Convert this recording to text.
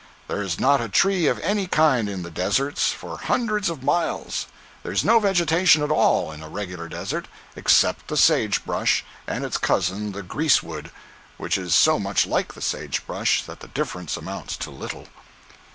There is not a tree of any kind in the deserts, for hundreds of miles—there is no vegetation at all in a regular desert, except the sage brush and its cousin the "greasewood," which is so much like the sage brush that the difference amounts to little.